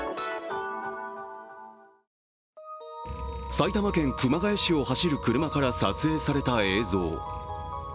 埼玉県熊谷市を走る車から撮影された映像。